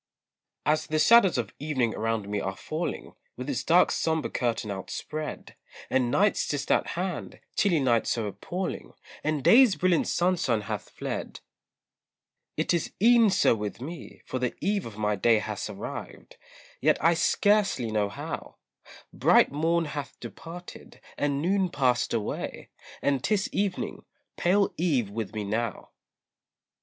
As the shadows of evening around me are falling, With its dark sombre curtain outspread, And night's just at hand, chilly night so appalling, And day's brilliant sunshine hath fled, It is e'en so with me, for the eve of my day Has arrived, yet I scarcely know how; Bright morn hath departed, and noon passed away, And 'tis evening, pale eve with me now.